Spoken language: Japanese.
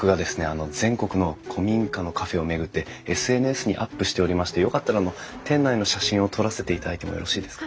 全国の古民家のカフェを巡ってＳＮＳにアップしておりましてよかったらあの店内の写真を撮らせていただいてもよろしいですか？